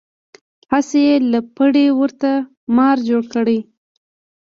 هسې یې له پړي ورته مار جوړ کړ.